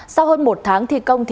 sau hơn một tháng thi công